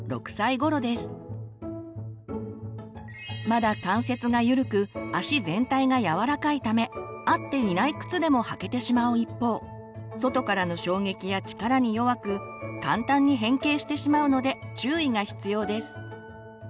まだ関節がゆるく足全体がやわらかいため合っていない靴でも履けてしまう一方外からの衝撃や力に弱く簡単に変形してしまうので注意が必要です。